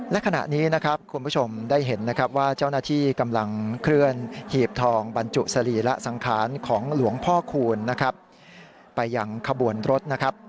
และขณะนี้ครับคุณผู้ชมได้เห็นว่าเจ้าหน้าที่กำลังเคลื่อนหีบทองบรรจุสรีละฆราณของหลวงพ่อคูณไปยังคบวนรถ